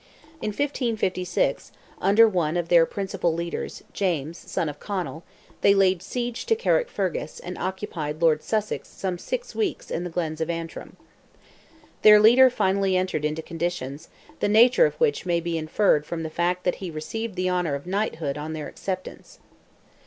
In 1556, under one of their principal leaders, James, son of Conal, they laid siege to Carrickfergus and occupied Lord Sussex some six weeks in the glens of Antrim. Their leader finally entered into conditions, the nature of which may be inferred from the fact that he received the honour of knighthood on their acceptance.